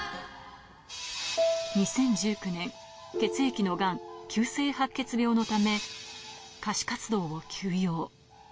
２０１９年、血液のがん、急性白血病のため、歌手活動を休養。